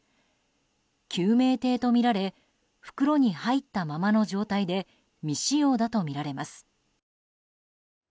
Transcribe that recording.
救命艇とみられ袋に入ったままの状態で未使用だとみられます。